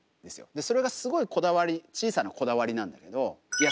それがすごいこだわり小さなこだわりなんだけどいや